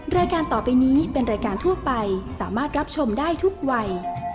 รายการต่อไปนี้เป็นรายการทั่วไปสามารถรับชมได้ทุกวัย